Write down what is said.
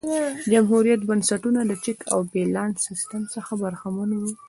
جمهوريت بنسټونه د چک او بیلانس سیستم څخه برخمن وو.